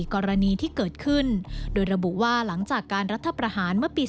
กรณีที่เกิดขึ้นโดยระบุว่าหลังจากการรัฐประหารเมื่อปี๒๕